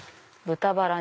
豚バラ。